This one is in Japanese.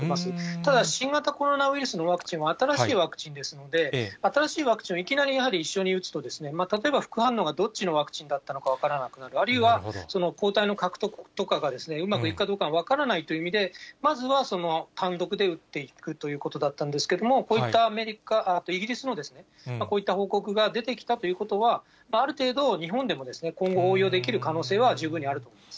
ただ、新型コロナウイルスのワクチンは新しいワクチンですので、新しいワクチンをいきなりやはり一緒に打つと、例えば副反応がどっちのワクチンだったのか分からなくなる、あるいは抗体の獲得とかがうまくいくかどうかも分からないという意味で、まずは単独で打っていくということだったんですけども、こういったイギリスのこういった報告が出てきたということは、ある程度、日本でも今後、応用できる可能性は十分にあると思います。